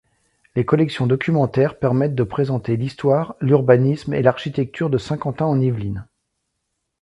Les collections documentaires permettent de présenter l'histoire, l'urbanisme et l'architecture de Saint-Quentin-en-Yvelines.